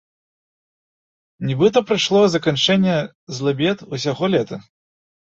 Нібыта прыйшло заканчэнне злыбед усяго лета.